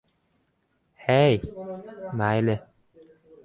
— Hay, mayli.